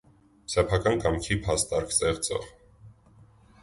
Սեփական կամքի փաստարկ ստեղծող։